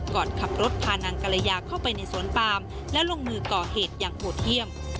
ก่อนขับรถพานางกรยาเข้าไปในสวนปามและลงมือก่อเหตุอย่างโหดเยี่ยม